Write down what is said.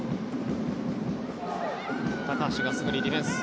高橋がすぐにディフェンス。